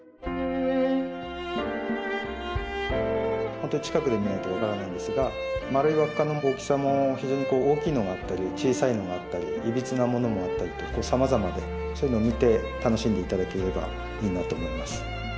ホントに近くで見ないとわからないんですが丸い輪っかの大きさも非常に大きいのがあったり小さいのがあったりいびつなものもあったりとさまざまでそういうのを見て楽しんでいただければいいなと思います